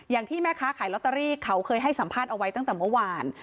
อย่างที่แม่ค้าขายลอตเตอรี่เขาเคยให้สัมภาษณ์เอาไว้ตั้งแต่เมื่อวาน